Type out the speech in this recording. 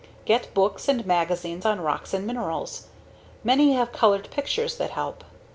Get books and magazines on rocks and minerals. Many have colored pictures that help.